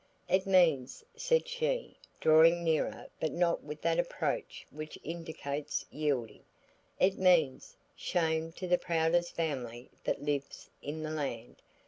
"It means," said she, drawing nearer but not with that approach which indicates yielding, "it means, shame to the proudest family that lives in the land.